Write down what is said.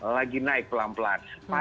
lagi naik pelan pelan